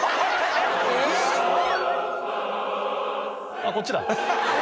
あっこっちだ。